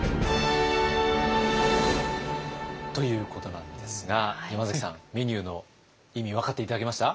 ということなんですが山崎さんメニューの意味分かって頂けました？